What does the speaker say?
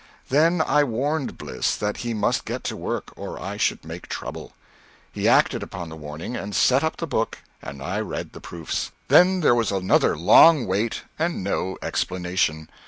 Then I warned Bliss that he must get to work or I should make trouble. He acted upon the warning, and set up the book and I read the proofs. Then there was another long wait and no explanation.